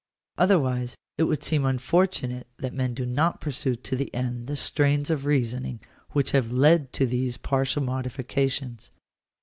Otherwise it would seem unfortunate that men do not pursue to the end the trains of reasoning which have led to these partial modifications.